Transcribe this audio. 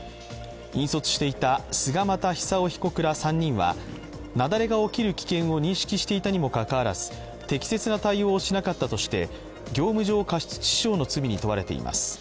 引率していた菅又久雄被告ら３人は雪崩が起きる危険を認識していたにもかかわらず適切な対応をしなかったとして業務上過失致死の罪に問われています。